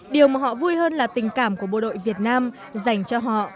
điều mà họ vui hơn là tình cảm của bộ đội việt nam dành cho họ